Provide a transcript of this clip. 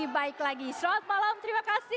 baik lagi selamat malam terima kasih